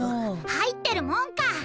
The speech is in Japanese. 入ってるもんか！